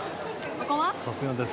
さすがです。